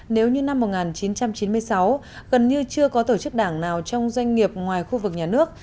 nếu như năm một nghìn chín trăm chín mươi sáu gần như chưa có tổ chức đảng nào trong doanh nghiệp ngoài khu vực nhà nước